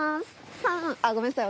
３。あっごめんなさい。